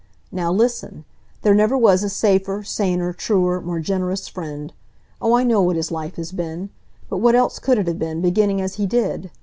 Now listen. There never was a safer, saner, truer, more generous friend. Oh, I know what his life has been. But what else could it have been, beginning as he did?